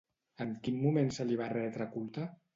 En quin moment se li va retre culte?